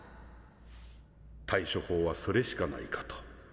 対処法はそれしかないかと。